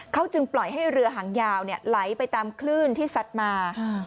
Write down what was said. เขาจึงปล่อยให้เรือหางยาวไหลไปตามคลื่นที่ซัดมา